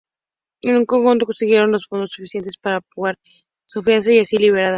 En junio, consiguieron los fondos suficientes para pagar su fianza, y así fue liberada.